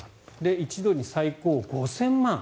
一度に最高５０００万円。